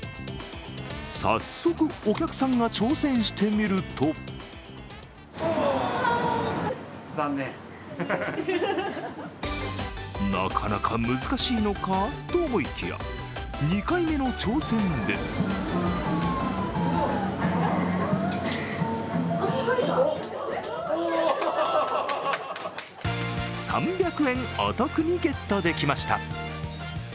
早速、お客さんが挑戦してみるとなかなか難しいのかと思いきや２回目の挑戦で３００円お得にゲットできました。